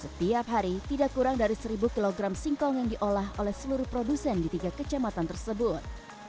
setiap hari tidak kurang dari seribu kg singkong yang diolah oleh seluruh produsen di tiga kecamatan tersebut